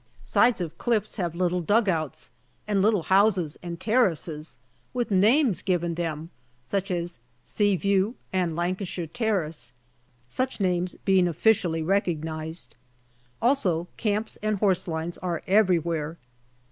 Sides of cliffs have little dugouts and little houses and terraces, with names given them, such as " Sea View " and " Lancaster Terrace," such names being officially recognized. Also camps and horse lines are everywhere.